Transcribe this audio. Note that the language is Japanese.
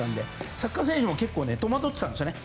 サッカー選手も結構戸惑っていたんですよね。